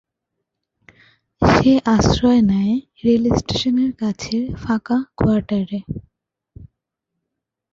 সে আশ্রয় নেয় রেলস্টেশনের কাছের ফাঁকা কোয়ার্টারে।